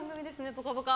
「ぽかぽか」。